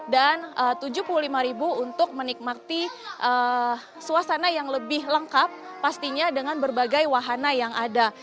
dan rp tujuh puluh lima untuk menikmati suasana yang lebih lengkap pastinya dengan berbagai wahana yang ada